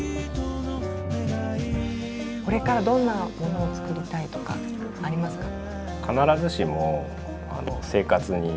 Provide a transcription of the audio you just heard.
これからどんなものを作りたいとかありますか？